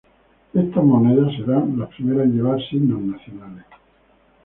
Estas Monedas serán las primeras en llevar signos nacionales.